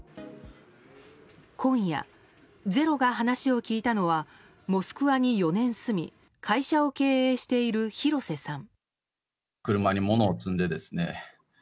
今夜「ｚｅｒｏ」が話を聞いたのはモスクワに４年住み会社を経営している廣瀬さん。